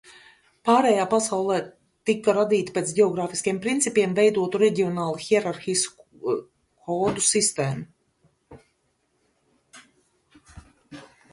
Pārējā pasaulē tika radīta pēc ģeogrāfiskiem principiem veidota reģionālu hierarhisku kodu sistēma.